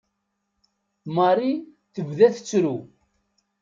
Marie tebda tettru.